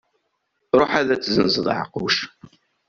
Ruḥ ad tezzenzeḍ aɛeqquc.